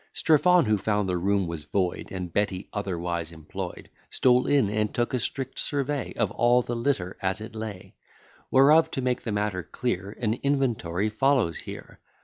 Strephon, who found the room was void, And Betty otherwise employ'd, Stole in, and took a strict survey Of all the litter as it lay: Whereof, to make the matter clear, An inventory follows here.